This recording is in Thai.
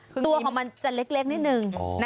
ตัวของมันจะเล็กนิดนึง